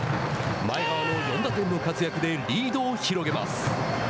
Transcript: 前川の４打点の活躍でリードを広げます。